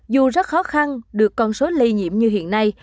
dù rất khó khăn được con số lây nhiễm như hiện nay